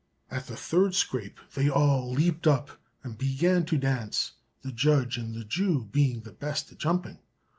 At the third scrape they all leaped up and began to dance; the judge and the Jew being the best at jumping.